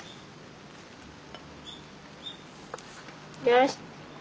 よし。